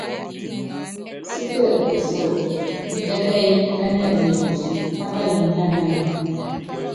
Súpe u puso ni kɛ́kɛ́yí kánɛ umekuci pákaluŋɔ nyánanɛ́.